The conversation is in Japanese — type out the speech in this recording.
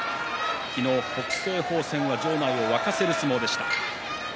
昨日、北青鵬戦は場内を沸かせる相撲でした。